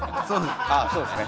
ああそうですね。